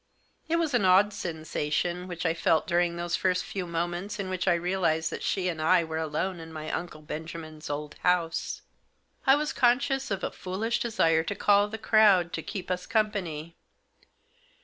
It was an odd sensation which I felt during those first few moments in which I realised that she and I were alone in my Uncle Benjamin's old house. I was conscious of a foolish desire to call the crowd to keep us company.